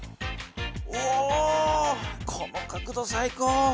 おこの角度最高。